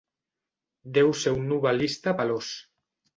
Deu ser un novel·lista veloç.